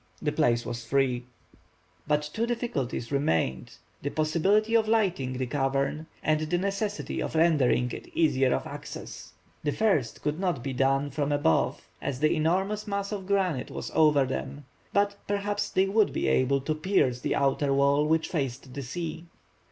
The place was free. But two difficulties remained, the possibility of lighting the cavern and the necessity of rendering it easier of access. The first could not be done from above as the enormous mass of granite was over them; but, perhaps, they would be able to pierce the outer wall which faced the sea.